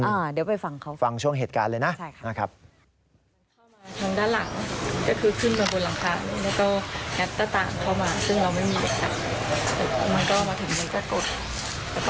อ่าเดี๋ยวไปฟังเขาค่ะใช่ค่ะฟังช่วงเหตุการณ์เลยนะนะครับอ่าเดี๋ยวไปฟังเขาค่ะ